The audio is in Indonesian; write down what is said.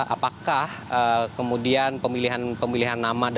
apakah kemudian pemilihan pemilihan nama